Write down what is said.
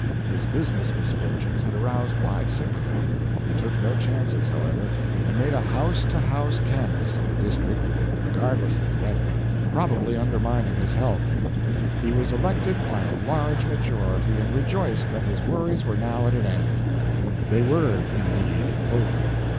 His business misfortunes had aroused wide sympathy. He took no chances, however, and made a house to house canvas of the district, regardless of the weather, probably undermining his health. He was elected by a large majority, and rejoiced that his worries were now at an end. They were, indeed, over.